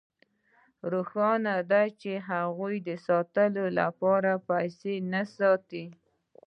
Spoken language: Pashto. روښانه ده چې هغوی د ساتلو لپاره پیسې نه ساتي